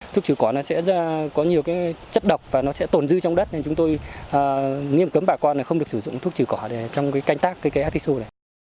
thuốc trừ cỏ sẽ có nhiều chất độc và nó sẽ tồn dư trong đất nên chúng tôi nghiêm cấm bà con không được sử dụng thuốc trừ cỏ trong canh tác artiso này